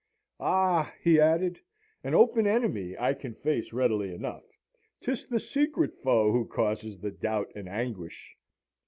'Ah!' he added, 'an open enemy I can face readily enough. 'Tis the secret foe who causes the doubt and anguish!